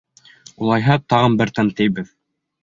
Улайһа, тағы бер тентейбеҙ!